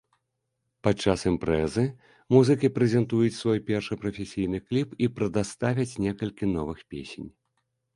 Падчас імпрэзы музыкі прэзентуюць свой першы прафесійны кліп і прадаставяць некалькі новых песень.